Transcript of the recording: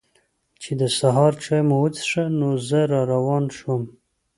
چې د سهار چای مو وڅښه نو زه را روان شوم.